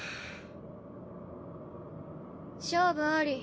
勝負あり。